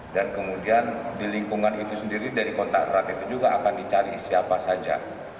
dan kemudian di lingkungan itu sendiri dari kontak erat itu juga akan dicari siapa saja